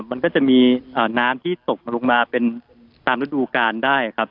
มันก็จะมีน้ำที่ตกลงมาเป็นตามฤดูกาลได้ครับ